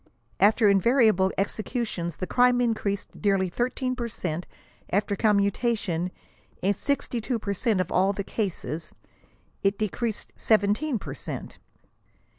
*< After invariable executions the crime increased nearly 13 per cent ; after commutation," in 62; per cent of all the cases, " it decreased 17 per cent.